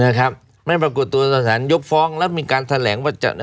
นะครับไม่ปรากฏตัวต่อสารยกฟ้องแล้วมีการแถลงว่าจะ